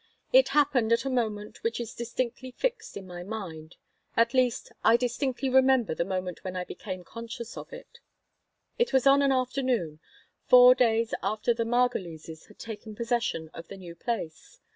It happened at a moment which is distinctly fixed in my mind. At least I distinctly remember the moment when I became conscious of it It was on an afternoon, four days after the Margolises had taken possession of the new place.